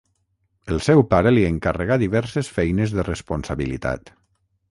El seu pare li encarregà diverses feines de responsabilitat.